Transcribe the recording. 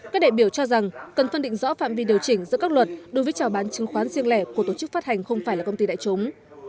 các đại biểu cho rằng cần phân định rõ phạm vi điều chỉnh giữa các luật đối với trào bán chứng khoán riêng lẻ của tổ chức phát hành không phải là công ty đại chúng